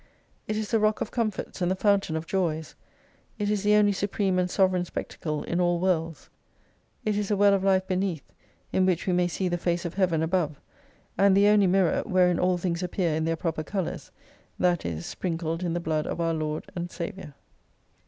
It is the Rock of Comforts and the Fountain of Joys. It is the only supreme and sovereign spectacle in all Worlds. It is a Well of Life beneath in which we may see the face of Heaven above : and the only mirror, wherein all things appear in their proper colours: that is, sprinkled in the blood of our Lord and Saviour.